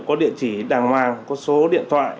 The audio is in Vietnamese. có địa chỉ đàng hoàng có số điện thoại